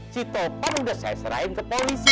si topan udah saya serahin ke polisi